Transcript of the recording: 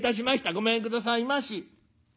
ごめんくださいまし。